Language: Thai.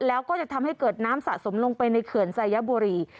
แล้วก็จะทำให้เกิดน้ำสะสมลงไปในเขื่อนสายบุรี